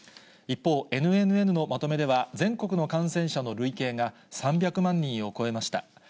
一方、ＮＮＮのまとめでは、全国の感染者の累計が３００万人を超えました。